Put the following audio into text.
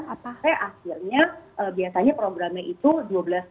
sampai akhirnya biasanya programnya itu dua belas bulan